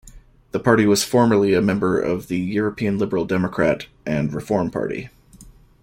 The party was formerly a member of the European Liberal Democrat and Reform Party.